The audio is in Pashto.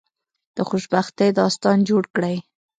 د خوشبختی داستان جوړ کړی.